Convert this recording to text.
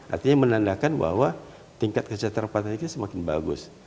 artinya menandakan bahwa tingkat kesejahteraan petani kita semakin bagus